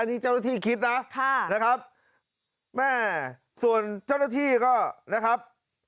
นี่เจ้าหน้าที่คิดนะค่ะนะครับแม่ส่วนเจ้าหน้าที่ก็นะครับ